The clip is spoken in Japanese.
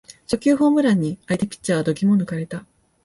初球ホームランに相手ピッチャーは度肝を抜かれた